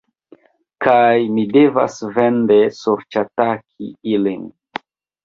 Kaj mi devas vende sorĉataki ilin